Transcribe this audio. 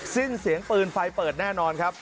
สิ้นเสียงปืนไฟเปิดแน่นอนครับ